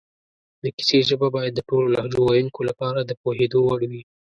د کیسې ژبه باید د ټولو لهجو ویونکو لپاره د پوهېدو وړ وي